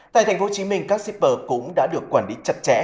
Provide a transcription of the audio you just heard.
tại tp hcm các shipper cũng đã được quản lý chặt chẽ